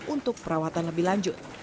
untuk perawatan lebih lanjut